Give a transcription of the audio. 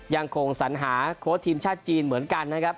ยังคงสัญหาโค้ชทีมชาติจีนเหมือนกันนะครับ